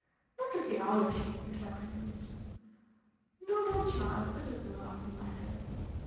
"Not to say owlish," interrupted the Minister. "No, no, Charles; it is no laughing matter.